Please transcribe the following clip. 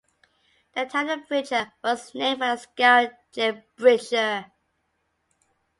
The town of Bridger was named for the scout Jim Bridger.